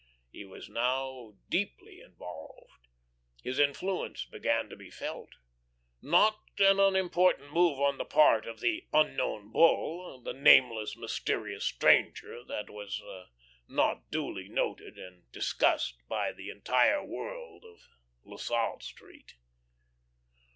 He was now deeply involved; his influence began to be felt. Not an important move on the part of the "Unknown Bull," the nameless mysterious stranger that was not duly noted and discussed by the entire world of La Salle Street.